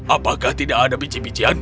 apakah tidak ada biji bijian